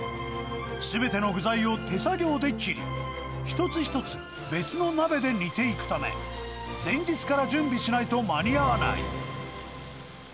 すべての具材を手作業で切り、一つ一つ別の鍋で煮ていくため、前日から準備しないと間に合わない。